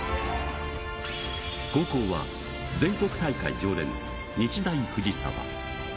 高校は全国大会常連・日大藤沢。